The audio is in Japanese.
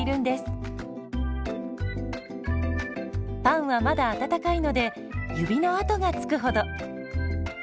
パンはまだ温かいので指の跡がつくほど。